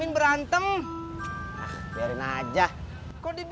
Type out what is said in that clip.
nggak ada raya makin nyampe dia